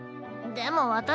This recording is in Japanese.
でも私